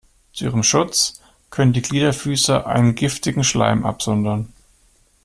Zu ihrem Schutz können die Gliederfüßer einen giftigen Schleim absondern.